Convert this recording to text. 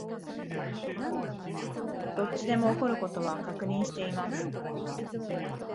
どっちでも起こる事は確認しています